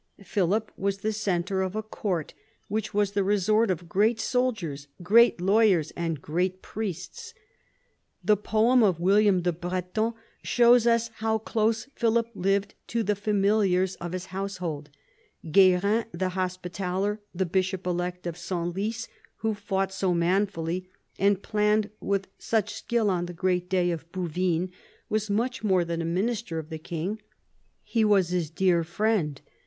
Philip was the centre of a court which was the resort of great soldiers, great lawyers, and great priests. The poem of William the Breton shows us how close Philip lived to the familiares of his household, Guerin the Hospitaller, the bishop elect of Senlis, who fought so manfully and planned with such skill on the great day of Bouvines, was much more than a minister of the king, he was his dear friend.